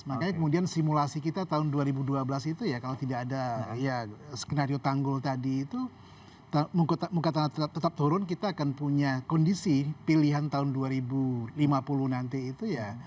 makanya kemudian simulasi kita tahun dua ribu dua belas itu ya kalau tidak ada ya skenario tanggul tadi itu muka tanah tetap turun kita akan punya kondisi pilihan tahun dua ribu lima puluh nanti itu ya